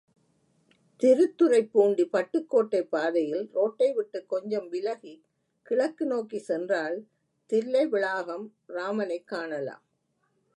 திருத்துறைப் பூண்டி பட்டுக்கோட்டை பாதையில் ரோட்டை விட்டுக் கொஞ்சம் விலகிக் கிழக்கு நோக்கிச் சென்றால் தில்லைவிளாகம் ராமனைக் காணலாம்.